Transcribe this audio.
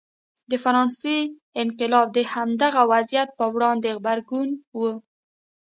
د فرانسې انقلاب د همدغه وضعیت پر وړاندې غبرګون و.